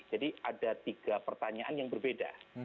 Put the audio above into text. jadi ada tiga pertanyaan yang berbeda